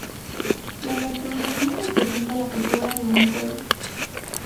La gastronomía representa la cultura de un pueblo.